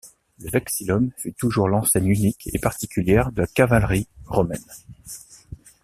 Le vexillum fut toujours l'enseigne unique et particulière de la cavalerie romaine.